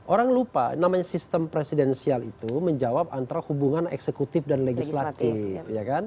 orang lupa namanya sistem presidensial itu menjawab antara hubungan eksekutif dan legislatif